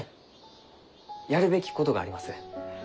やるべきことがあります。